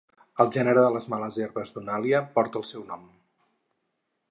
El gènere de les males herbes "Dunalia" porta el seu nom.